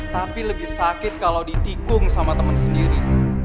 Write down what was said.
tapi lebih sakit kalau ditikung sama teman sendiri